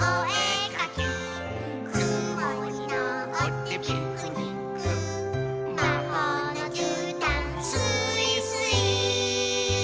「くもにのってピクニック」「まほうのじゅうたんスイスイ」